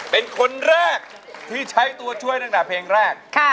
เป็นคนแรกที่ใช้ตัวช่วยตั้งแต่เพลงแรก